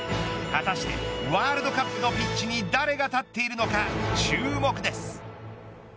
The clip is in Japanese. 果たしてワールドカップのピッチに誰が立っているのか注目です。